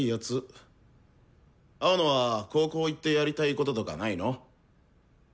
青野は高校行ってやりたいこととかないの？